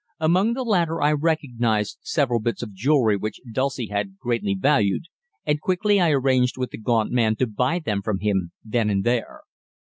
Among the latter I recognized several bits of jewellery which Dulcie had greatly valued, and quickly I arranged with the gaunt man to buy them from him then and there.